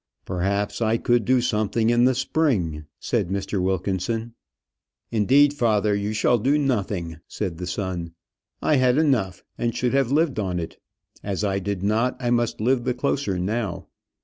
"Perhaps I could do something in the spring," said Mr. Wilkinson. "Indeed, father, you shall do nothing," said the son. "I had enough, and should have lived on it; as I did not, I must live the closer now."